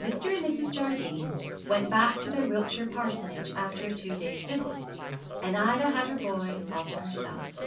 Mr. and Mrs. Jardine went back to their Wiltshire parsonage after a two days' visit, and Ida had her boy all to herself.